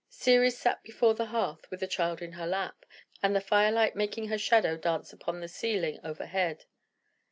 Ceres sat before the hearth with the child in her lap, and the fire light making her shadow dance upon the ceiling overhead.